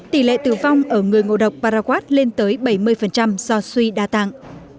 tỷ lệ tử vong ở người ngộ độc paraquat lên tới bảy mươi do suy đa tạng